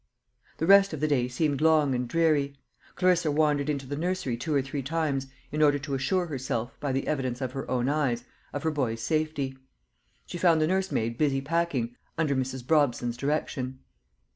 The rest of the day seemed long and dreary. Clarissa wandered into the nursery two or three times in order to assure herself, by the evidence of her own eyes, of her boy's safety. She found the nursemaid busy packing, under Mrs. Brobson's direction.